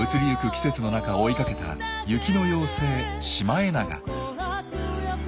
季節の中追いかけた「雪の妖精」シマエナガ。